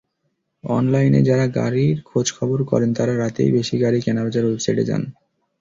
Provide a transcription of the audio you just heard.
অনলাইনে যাঁরা গাড়ির খোঁজখবর করেন তাঁরা রাতেই বেশি গাড়ি কেনাবেচার ওয়েবসাইটে যান।